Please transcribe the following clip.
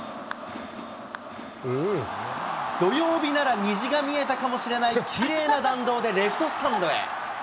土曜日なら虹が見えたかもしれないきれいな弾道でレフトスタンドへ。